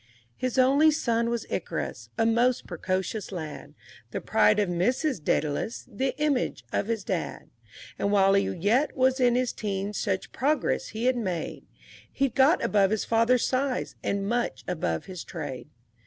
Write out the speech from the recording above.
III His only son was Icarus, a most precocious lad, The pride of Mrs. Dædalus, the image of his dad; And while he yet was in his teens such progress he had made, He'd got above his father's size, and much above his trade.